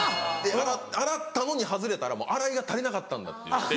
洗ったのに外れたら洗いが足りなかったんだっていって。